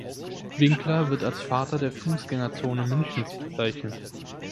Winkler wird als „Vater der Fußgängerzone Münchens“ bezeichnet.